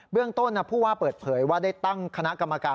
เรื่องต้นผู้ว่าเปิดเผยว่าได้ตั้งคณะกรรมการ